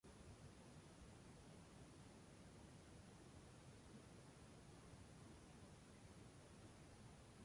Sus actividades son controladas por la Superintendencia de Seguridad Social.